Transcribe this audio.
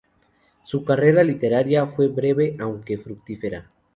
Su carrera literaria fue breve, aunque fructífera.